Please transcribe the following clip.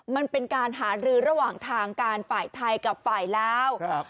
มันเป็นการหารือระหว่างทางการฝ่ายไทยกับฝ่ายลาวครับ